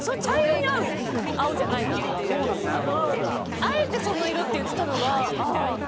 あえてその色って言ってたのがああ